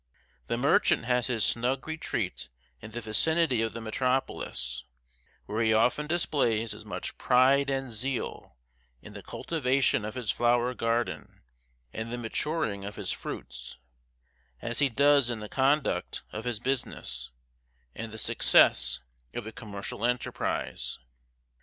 The merchant has his snug retreat in the vicinity of the metropolis, where he often displays as much pride and zeal in the cultivation of his flower garden, and the maturing of his fruits, as he does in the conduct of his business, and the success of a commercial enterprise.